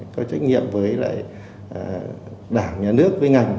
có trách nhiệm với đảng nhà nước với ngành